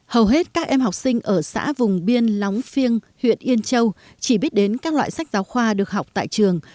hầu hết các em học sinh ở xã vùng biên lóng phiêng huyện yên châu chỉ biết đến các loại sách giáo khoa được học tại trường